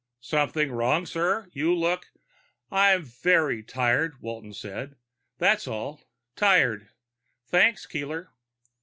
"Something wrong, sir? You look " "I'm very tired," Walton said. "That's all. Tired. Thanks, Keeler."